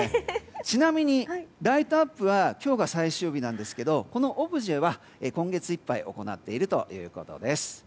ちなみに、ライトアップは今日が最終日なんですけどこのオブジェは今月いっぱい行っているということです。